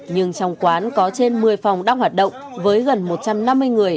nhưng trong quán có trên một mươi phòng đang hoạt động với gần một trăm năm mươi người